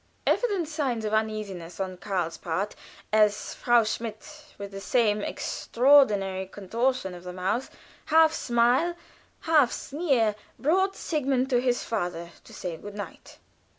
Evident signs of uneasiness on Karl's part, as Frau Schmidt, with the same extraordinary contortion of the mouth half smile, half sneer brought Sigmund to his father, to say good night.